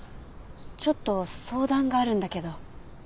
ちょっと相談があるんだけど。